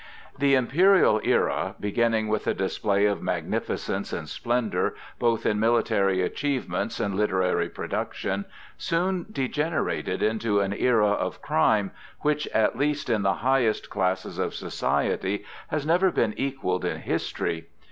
The imperial era, beginning with a display of magnificence and splendor, both in military achievements and literary production, soon degenerated into an era of crime, which, at least in the highest classes of society, has never been equalled in history.